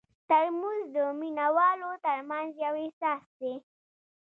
ترموز د مینه والو ترمنځ یو احساس دی.